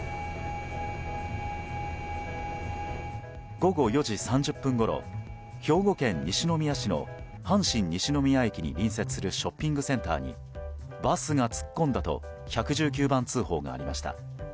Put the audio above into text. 午後４時３０分ごろ兵庫県西宮市の阪神西宮駅に隣接するショッピングセンターにバスが突っ込んだと１１９番通報がありました。